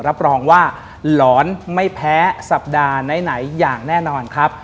รับรองว่าหลอนไม่แพ้สัปดาห์ไหนอย่างแน่นอนครับ